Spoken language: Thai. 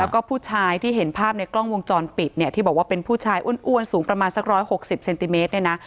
แล้วก็ผู้ชายที่เห็นภาพในกล้องวงจรปิดเนี่ยที่บอกว่าเป็นผู้ชายอ้วนสูงประมาณสัก๑๖๐เซนติเมตรเนี่ยนะ